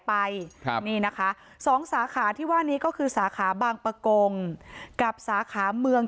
ไปครับนี่นะคะสองสาขาที่ว่านี้ก็คือสาขาบางประกงกับสาขาเมือง